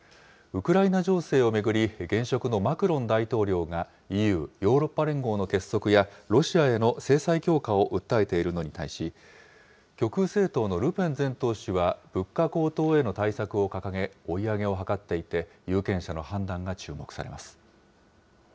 ウクライナ情勢を巡り、現職のマクロン大統領が、ＥＵ・ヨーロッパ連合の結束や、ロシアへの制裁強化を訴えているのに対し、極右政党のルペン前党首は物価高騰への対策を掲げ、追い上げを図っていて、有権者の判断が注目されます。